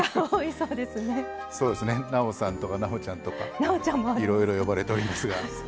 そうですね「なおさん」とか「なおちゃん」とかいろいろ呼ばれておりますが。